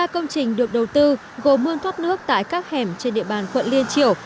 ba công trình được đầu tư gồm mương thoát nước tại các hẻm trên địa bàn quận liên triều